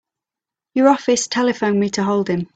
Your office telephoned me to hold him.